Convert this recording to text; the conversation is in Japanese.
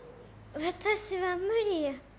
私は無理や。